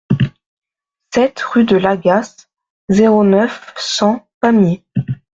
sept rue de l'Agasse, zéro neuf, cent, Pamiers